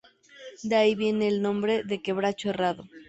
De ahí viene el nombre de Quebracho Herrado.